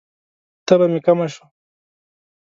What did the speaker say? تبه می کمه شوه؟